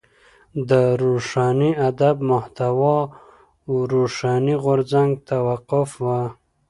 د روښاني ادب محتوا و روښاني غورځنګ ته وقف وه.